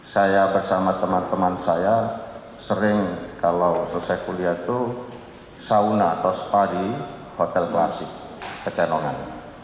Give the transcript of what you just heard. saya bersama teman teman saya sering kalau selesai kuliah itu sauna atau spa di hotel klasik kecenongan